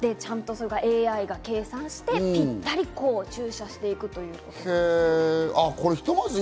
ＡＩか計算してぴったり駐車していくということです。